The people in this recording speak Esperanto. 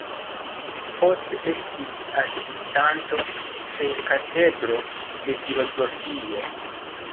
Poste estis asistanto ĉe katedro de filozofio.